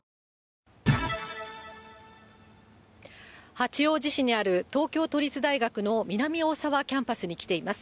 八王子市にある東京都立大学の南大沢キャンパスに来ています。